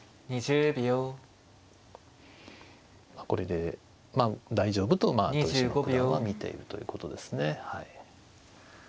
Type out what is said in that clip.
これで大丈夫と豊島九段は見ているということですね。